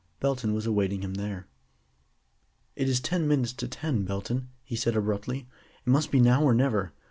Belton was awaiting him there. "It is ten minutes to ten, Belton," he said abruptly. "It must be now or never.